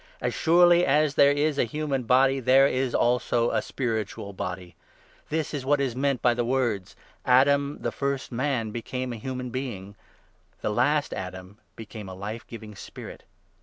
As surely as there is a human body, there is also a spiritual body. That is what is meant by the words —' Adam, the first man, became a human being '; the last Adam became a Life giving spirit.